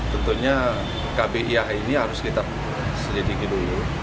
tentunya kbiah ini harus kita selidiki dulu